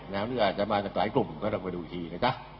นะครับหรือจะมาจากหลายกลุ่มก็ต้องไปดูอีกทีนะจ๊ะ